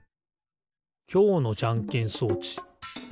きょうのじゃんけん装置。